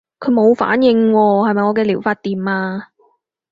佢冇反應喎，係咪我嘅療法掂啊？